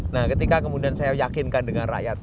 nah ketika kemudian saya yakinkan dengan rakyat